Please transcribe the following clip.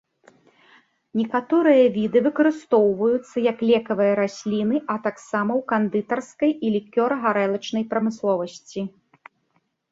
Некаторыя віды выкарыстоўваюцца як лекавыя расліны, а таксама ў кандытарскай і лікёра-гарэлачнай прамысловасці.